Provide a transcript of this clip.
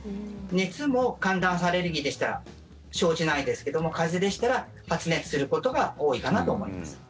熱も寒暖差アレルギーでしたら生じないですけども風邪でしたら発熱することが多いかなと思います。